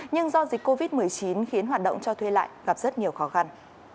nhưng do dịch covid một mươi chín khiến hoạt động cho thuê lại gặp rất nhiều khó khăn